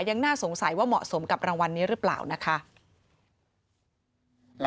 ยังน่าสงสัยว่าเหมาะสมกับรางวัลนี้หรือเปล่านะคะ